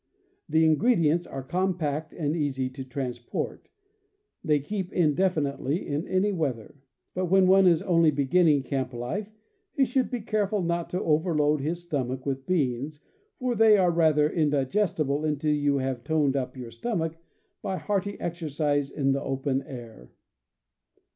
The ingredients are compact and easy to transport; they keep indefinitely in any weather. But when one is only beginning camp life he should be careful not to overload his stomach with beans, for they are rather indigestible until you have toned up your stomach by hearty exercise in the open air.